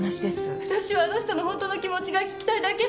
わたしはあの人の本当の気持ちが聞きたいだけなんです。